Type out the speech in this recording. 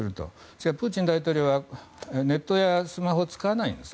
しかし、プーチン大統領はネットやスマホを使わないんです。